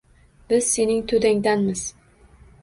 — Biz — Sening To‘dangdanmiz